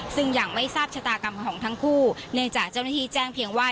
ซึ่งยังไม่ทราบชะตากรรมของทั้งคู่เนื่องจากเจ้าหน้าที่แจ้งเพียงว่า